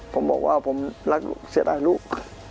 ผมบอกว่าผมรักเสียดายลูก